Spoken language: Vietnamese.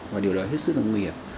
và điều đó hết sức là nguy hiểm